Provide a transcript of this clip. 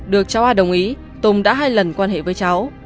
được cháu a đồng ý tùng đã hai lần quan hệ với cháu